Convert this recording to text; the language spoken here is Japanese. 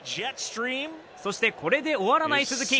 そしてこれで終わらない鈴木。